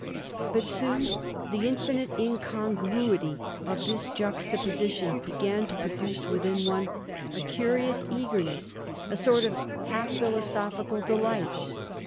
But soon the infinite incongruity of this juxtaposition began to produce within one a curious eagerness, a sort of half philosophical delight.